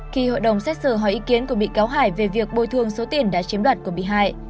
khi hội đồng xét xử hỏi ý kiến của bị cáo hải về việc bồi thường số tiền đã chiếm đoạt của bị hại